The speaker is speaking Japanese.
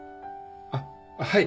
あっはい。